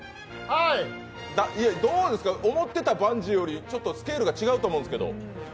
どうですか、思ってたバンジーよりスケールが違うと思うんですけど。